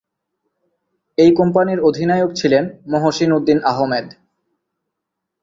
এই কোম্পানির অধিনায়ক ছিলেন মহসীন উদ্দীন আহমেদ।